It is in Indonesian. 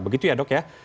begitu ya dok ya